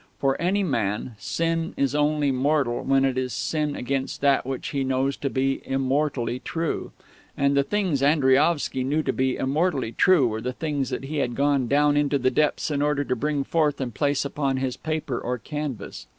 For any man, Sin is only mortal when it is Sin against that which he knows to be immortally true; and the things Andriaovsky knew to be immortally true were the things that he had gone down into the depths in order to bring forth and place upon his paper or canvas.